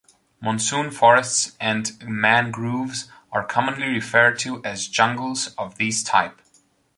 Monsoon forests and mangroves are commonly referred to as jungles of this type.